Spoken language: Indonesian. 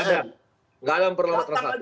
gak ada yang perlu transaksi